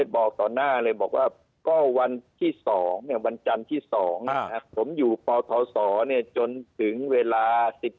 บอกตอนหน้าเลยวันที่๒ผมอยู่พศจนถึงเวลา๑๑๔๕